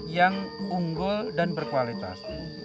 yang unggul dan berkualitas